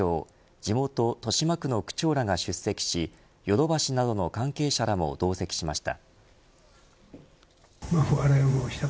地元豊島区の区長らが出席しヨドバシなどの関係者らも同席しました。